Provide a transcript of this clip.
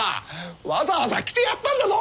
わざわざ来てやったんだぞ！